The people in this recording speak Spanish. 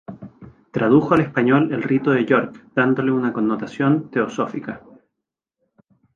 Tradujo al español el rito de York dándole una connotación teosófica.